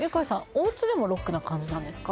おうちでもロックな感じなんですか？